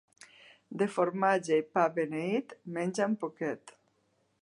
De formatge i pa beneit, menja'n poquet.